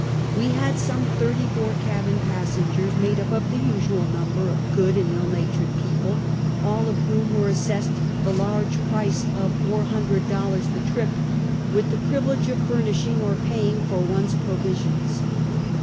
"We had some thirty four cabin passen gers, made up of the usual number of good and ill natured people, all of whom were assessed the large price of $400 the trip, with the privilege of furnishing or paying for one's provisions.